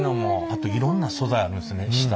あといろんな素材あるんですね下。